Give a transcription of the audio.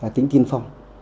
tính tiên phong